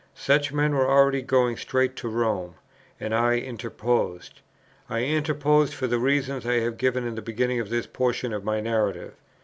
Such men were already going straight to Rome, and I interposed; I interposed for the reasons I have given in the beginning of this portion of my narrative.